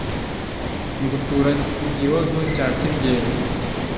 ngutura iki gihozo cya kibyeyi